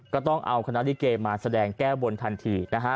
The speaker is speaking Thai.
ก็ต้องเอาคณะลิเกมาแสดงแก้บนทันทีนะฮะ